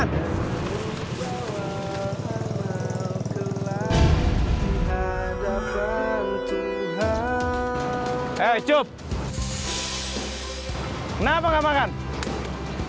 tante gak mau kamu kenapa kenapa cup